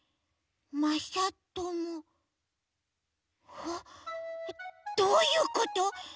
あっどういうこと！？